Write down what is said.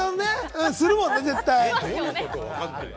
するもんね、絶対。